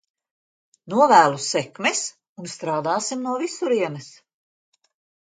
Novēlu sekmes, un strādāsim no visurienes!